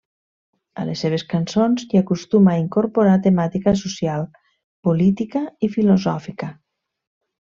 A les seves cançons hi acostuma a incorporar temàtica social, política i filosòfica.